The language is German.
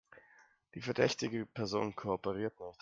Die verdächtige Person kooperiert nicht.